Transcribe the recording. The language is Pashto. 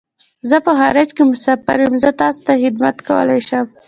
زه په خارج کی مسافر یم . زه تاسو څه خدمت کولای شم